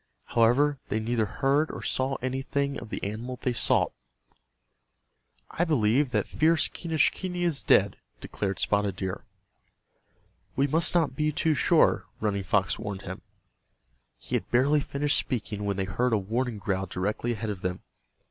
However, they neither heard or saw anything of the animal they sought. "I believe that fierce Quenischquney is dead," declared Spotted Deer. "We must not be too sure," Running Fox warned him. He had barely finished speaking when they heard a warning growl directly ahead of them.